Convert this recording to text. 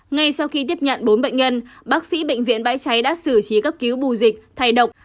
ngay sau khi tiếp nhận bốn bệnh nhân bác sĩ bệnh viện bãi cháy đã xử trí cấp cứu bù dịch thay độc